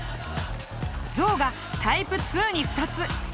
ゾウがタイプ２に２つ。